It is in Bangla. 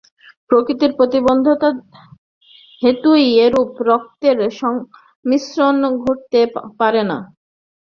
প্রকৃতির প্রতিবন্ধকতা-হেতুই এরূপ রক্তের সংমিশ্রণ ঘটতে পারে না।